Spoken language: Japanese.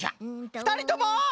ふたりとも！